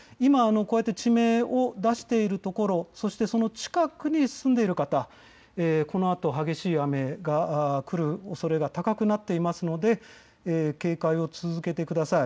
今こうやって地名を出しているところ、そしてその近くに住んでいる方、このあと激しい雨が降る可能性が高くなっていますので警戒を続けてください。